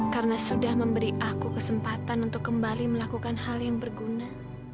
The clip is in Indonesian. karena sudah memberi aku kesempatan untuk kembali melakukan hal yang berguna